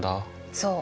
そう。